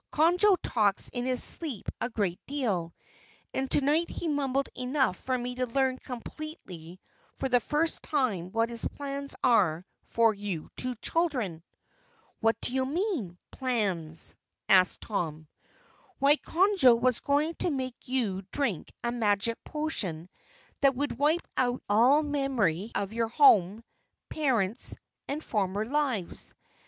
Conjo talks in his sleep a great deal, and tonight he mumbled enough for me to learn completely for the first time what his plans are for you two children." "What do you mean 'plans'?" asked Tom. "Why, Conjo was going to make you drink a magic potion that would wipe out all memory of your home, parents, and former lives.